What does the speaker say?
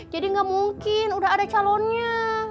jadi gak mungkin udah ada calonnya